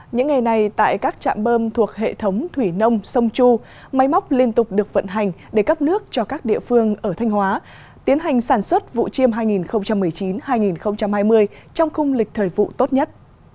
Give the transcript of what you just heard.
những ngày này tại các trạm bơm thuộc hệ thống thủy nông sông chu máy móc liên tục được vận hành để cấp nước cho các địa phương ở thanh hóa tiến hành sản xuất vụ chiêm hai nghìn một mươi chín hai nghìn hai mươi trong khung lịch thời vụ tốt nhất